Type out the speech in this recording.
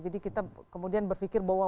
jadi kita kemudian berpikir bahwa